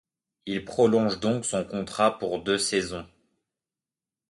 Il prolonge donc son contrat pour deux saisons.